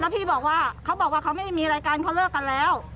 พี่บอกว่าเขาบอกว่าเขาไม่ได้มีรายการเขาเลิกกันแล้ว